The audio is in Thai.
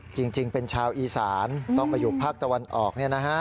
จริงเป็นชาวอีสานต้องไปอยู่ภาคตะวันออกเนี่ยนะฮะ